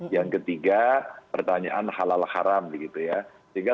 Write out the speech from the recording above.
yang ketiga pertanyaan halal haram begitu ya